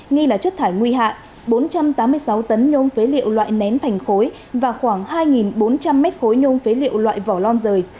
nghi là chất thải nguy hại bốn trăm tám mươi sáu tấn nhôm phế liệu loại nén thành khối và khoảng hai bốn trăm linh mét khối nhôm phế liệu loại vỏ lon rời